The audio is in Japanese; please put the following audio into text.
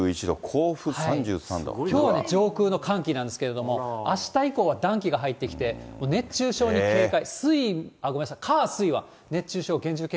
きょうは上空の寒気なんですけれども、あした以降は暖気が入ってきて、熱中症に警戒。